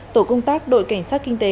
tổ công tác đội cảnh sát kinh tế